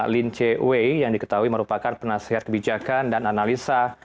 lin che wei yang diketahui merupakan penasihat kebijakan dan analisa